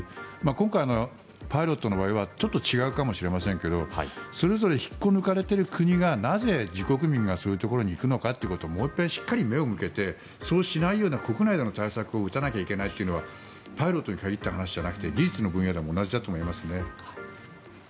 今回のパイロットの場合はちょっと違うかもしれませんがそれぞれ引っこ抜かれている国がなぜ自国民がそういうところに行くのかをもう一遍しっかり目を向けてそうしないような国内での対策を打たないといけないというのはパイロットに限った話じゃなくて技術の分野でも同じだと思いますね。